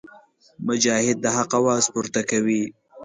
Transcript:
مجاهد د حق اواز پورته کوي.